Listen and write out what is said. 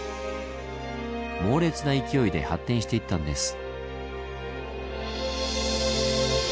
猛烈な勢いで発展していったんです。